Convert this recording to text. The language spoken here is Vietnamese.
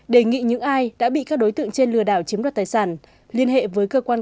đề nghị những ai đã bị các đối tượng trên lừa đảo chiếm đoạt tài sản liên hệ với cơ quan